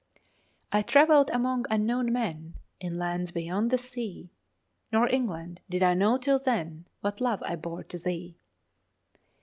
I travell'd among unknown men, In lands beyond the sea, Nor, England! did I know till then What love I bore to thee.